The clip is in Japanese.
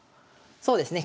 そうですね